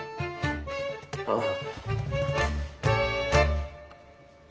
ああ。